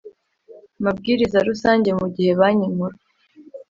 mabwiriza rusange mu gihe Banki Nkuru